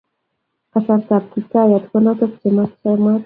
Kasartab kiptaiyat, ko notok ne chamat